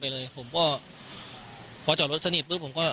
แล้วก็ได้คุยกับนายวิรพันธ์สามีของผู้ตายที่ว่าโดนกระสุนเฉียวริมฝีปากไปนะคะ